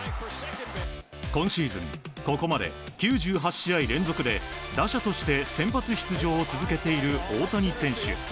今シーズン、ここまで９８試合連続で打者として先発出場を続けている大谷選手。